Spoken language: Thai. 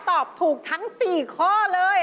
ตอบถูกทั้ง๔ข้อเลย